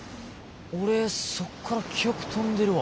俺そっから記憶飛んでるわ。